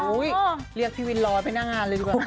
เรียกพี่วินร้อยไปนั่งงานเลยดีกว่า